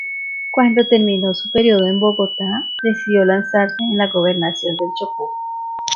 Cuando terminó su periodo en Bogotá decidió lanzarse en la gobernación del Chocó.